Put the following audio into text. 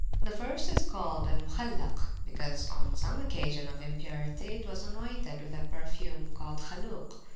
The first is called Al Mukhallak, because, on some occasion of impurity, it was anointed with a perfume called Khaluk.